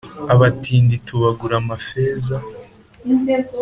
abatindi tubagure amafeza,